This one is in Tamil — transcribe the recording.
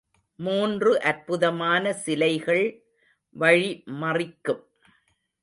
மூன்று அற்புதமான சிலைகள் வழி மறிக்கும்.